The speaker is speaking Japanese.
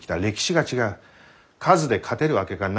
数で勝てるわけがないのだよ。